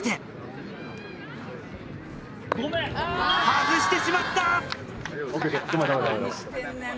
外してしまった！